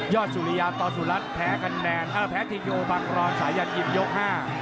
ยอดสุริยาตอสุรัสแพ้กันแดนแพ้ทิโกบังรอนสายันยิมยก๕